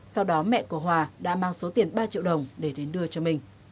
sau đó mẹ của hòa đã mang số tiền ba triệu đồng để đến đưa cho mình